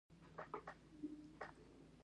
الماري له لرګي جوړېږي خو له مینې ډکې وي